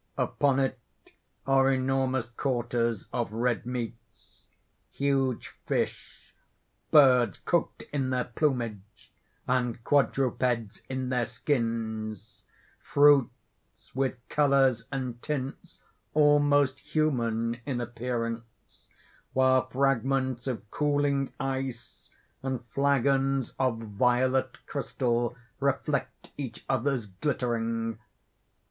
Upon it are enormous quarters of red meats; huge fish; birds cooked in their plumage, and quadrupeds in their skins; fruits with colors and tints almost human in appearance; while fragments of cooling ice, and flagons of violet crystal reflect each other's glittering.